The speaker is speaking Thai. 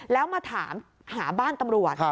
แล้วมาถามหาบ้านตำรวจ